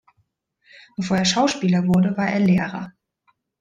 Bevor er Schauspieler wurde, war er Lehrer.